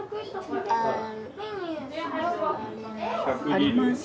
「あります」。